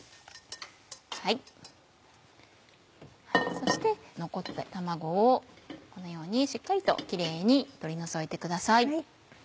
そして残った卵をこのようにしっかりとキレイに取り除いてください。